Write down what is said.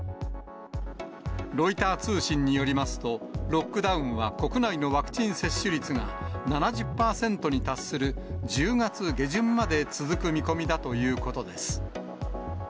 ロイター通信によりますと、ロックダウンは国内のワクチン接種率が７０％に達する１０月下旬まで続く見込みだということです。